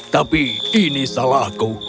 tapi ini salahku